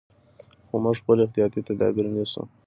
خو موږ خپل احتیاطي تدابیر نیسو.